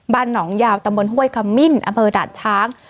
บ้านหนองยาวตำบลห้วยกะมิ่นอเมอร์ดันช้าง